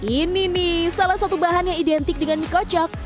ini nih salah satu bahan yang identik dengan mie kocok